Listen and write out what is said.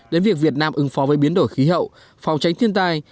đến việc việt nam ứng phó với biến đổi khí hậu phòng tránh thiên tai